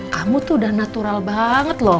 kamu tuh udah natural banget loh